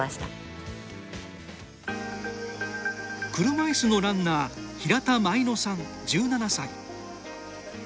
車いすのランナー平田舞乃さん、１７歳。